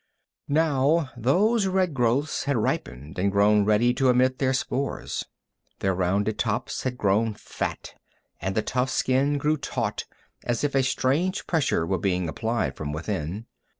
Now those red growths had ripened and grown ready to emit their spores. Their rounded tops had grown fat, and the tough skin grew taut as if a strange pressure were being applied from within.